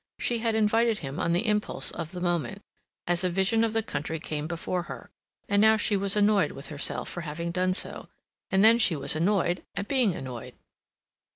She had invited him on the impulse of the moment, as a vision of the country came before her; and now she was annoyed with herself for having done so, and then she was annoyed at being annoyed.